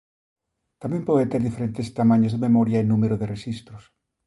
Tamén pode ter diferentes tamaños de memoria e número de rexistros.